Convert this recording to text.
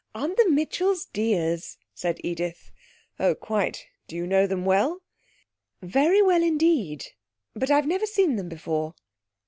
'Aren't the Mitchells dears?' said Edith. 'Oh, quite. Do you know them well?' 'Very well, indeed. But I've never seen them before.'